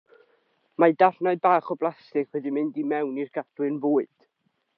Mae darnau bach o blastig wedi mynd i mewn i'r gadwyn fwyd.